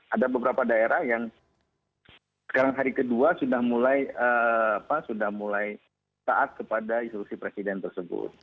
ada beberapa daerah yang sekarang hari kedua sudah mulai taat kepada instruksi presiden tersebut